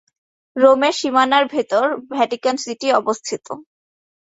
রোমের সীমানার ভেতরে ভ্যাটিকান সিটি অবস্থিত।